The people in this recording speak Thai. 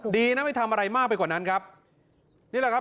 ดีนะไม่ทำอะไรมากไปกว่านั้นครับนี่แหละครับ